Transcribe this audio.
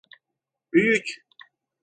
Büyük.